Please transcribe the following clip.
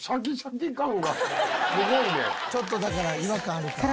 「ちょっとだから違和感あるか」